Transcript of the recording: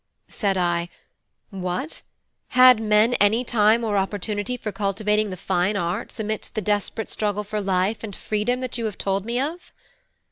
Said I: "What! had men any time or opportunity for cultivating the fine arts amidst the desperate struggle for life and freedom that you have told me of?"